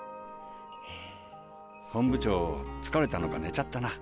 本部長疲れたのか寝ちゃったな。